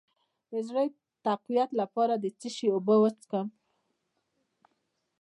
د زړه د تقویت لپاره د څه شي اوبه وڅښم؟